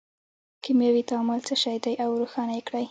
کیمیاوي تعامل څه شی دی او روښانه یې کړئ.